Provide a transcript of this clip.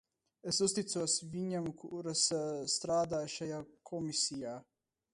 Es uzticos viņām, kuras strādāja šajā komisijā.